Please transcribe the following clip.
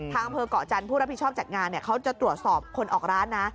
อำเภอกเกาะจันทร์ผู้รับผิดชอบจัดงานเขาจะตรวจสอบคนออกร้านนะ